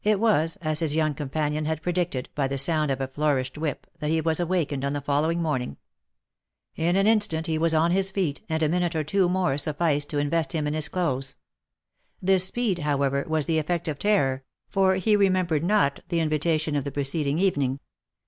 It was, as his young companion had predicted, by the sound of a flourished whip, that he was awakened on the following morning. In an instant he was on his feet, and a minute or two more sufficed to invest him in his clothes; this speed, however, was the effect of terror, for he remembered not the invitation of the preceding evening.